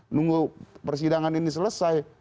nunggu persidangan ini selesai